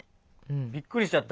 びっくりしちゃった。